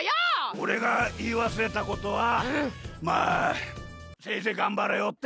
おれがいいわすれたことはまあせいぜいがんばれよってことだ！